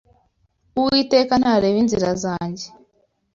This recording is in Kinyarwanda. Uwiteka ntareba inzira zanjye